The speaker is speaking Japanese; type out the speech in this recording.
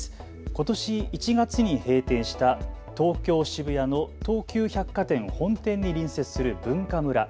ことし１月に閉店した東京渋谷の東急百貨店本店に隣接するＢｕｎｋａｍｕｒａ。